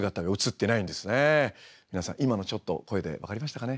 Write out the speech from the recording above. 皆さん今のちょっと声で分かりましたかね。